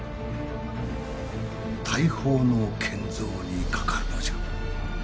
大砲の建造にかかるのじゃ。